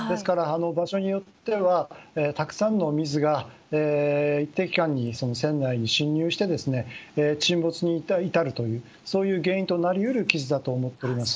場所によってはたくさんの水が一定期間に船内に浸入して沈没に至るという原因となり得る傷だと思っております。